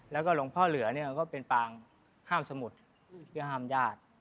ร่วงพ่อเหลือก็เป็นปางห่ามสมุดห่ามยาด